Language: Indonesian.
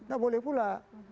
nah boleh pula